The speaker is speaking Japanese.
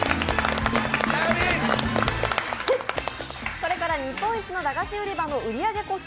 これから日本一のだがし売場の売り上げ個数